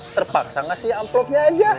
terpaksa ngasih amplopnya aja